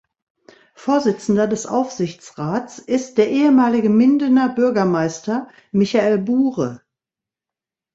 Vorsitzender des Aufsichtsrats ist der ehemalige Mindener Bürgermeister Michael Buhre.